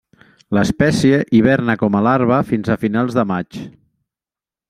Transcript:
L'espècie hiverna com a larva fins a finals de maig.